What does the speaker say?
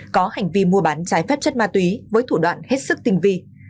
có hành vi mua bán trái phép chất ma túy với thủ đoạn hết sức tinh vi